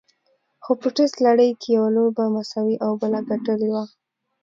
خو په ټېسټ لړۍ کې یې یوه لوبه مساوي او بله ګټلې وه.